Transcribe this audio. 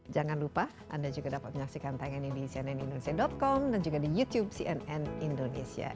jangan lupa anda juga dapat menyaksikan tayangan ini di cnnindonesia com dan juga di youtube cnn indonesia